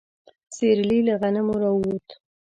سيرلي له غنمو راووت.